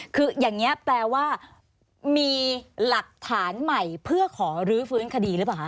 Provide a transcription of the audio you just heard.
คืออย่างนี้แปลว่ามีหลักฐานใหม่เพื่อขอรื้อฟื้นคดีหรือเปล่าคะ